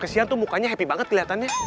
kesian tuh mukanya happy banget kelihatannya